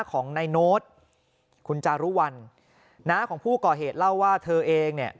ของนายโน้ตคุณจารุวัลน้าของผู้ก่อเหตุเล่าว่าเธอเองเนี่ย